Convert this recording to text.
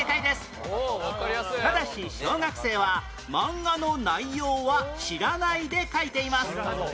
ただし小学生はマンガの内容は知らないで描いています